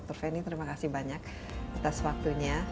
dokter feni terima kasih banyak atas waktunya